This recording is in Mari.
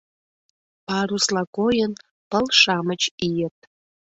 Парусла койын, пыл-шамыч ийыт.